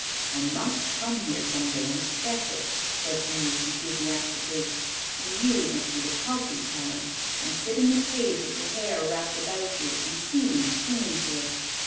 "I must come here some day and sketch it," said Reeves enthusiastically, "and you must be the Kelpy, Helen, and sit in the cave with your hair wrapped about you and seaweed clinging to it."